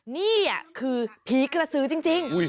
นี่คือผีกระสือจริง